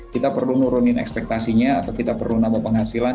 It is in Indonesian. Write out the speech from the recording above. kita perlu nurunin ekspektasinya atau kita perlu nambah penghasilan